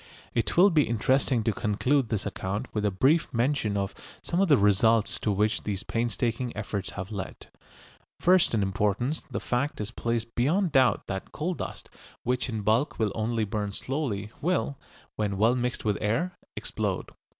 It will be interesting to conclude this account with a brief mention of some of the results to which these painstaking efforts have led. First in importance the fact is placed beyond doubt that coal dust, which in bulk will only burn slowly, will, when well mixed with air, explode.